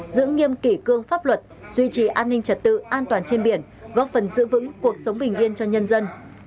giữ nghiêm kỷ cương pháp luật duy trì an ninh trật tự an toàn trên biển góp phần giữ vững cuộc sống bình yên cho nhân dân